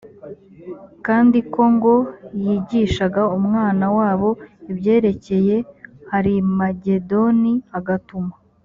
kandi ko ngo yigishaga umwana wabo ibyerekeye harimagedoni agatuma